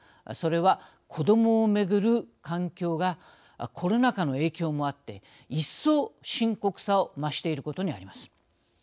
それは、子どもをめぐる環境がコロナ禍の影響もあって一層、深刻さを増していることにあります。